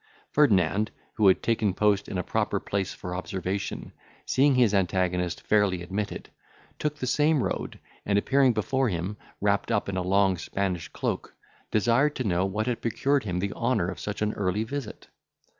Ferdinand, who had taken post in a proper place for observation, seeing his antagonist fairly admitted, took the same road, and appearing before him, wrapped up in a long Spanish cloak, desired to know what had procured him the honour of such an early visit.